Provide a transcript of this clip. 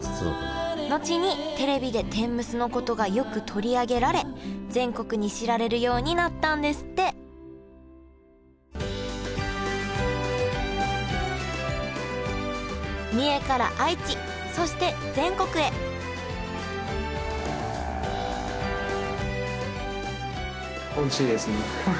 後にテレビで天むすのことがよく取り上げられ全国に知られるようになったんですって三重から愛知そして全国へへえ。